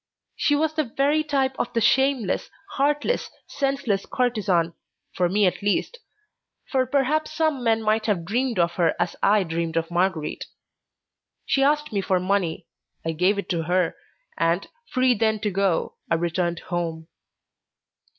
She was the very type of the shameless, heartless, senseless courtesan, for me at least, for perhaps some men might have dreamed of her as I dreamed of Marguerite. She asked me for money. I gave it to her, and, free then to go, I returned home.